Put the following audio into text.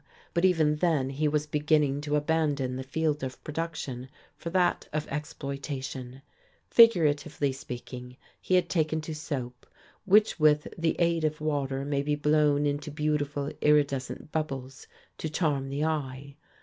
But even then he was beginning to abandon the field of production for that of exploitation: figuratively speaking, he had taken to soap, which with the aid of water may be blown into beautiful, iridescent bubbles to charm the eye.